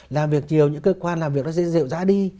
làm việc nhiều những cơ quan làm việc nó sẽ dịu giá đi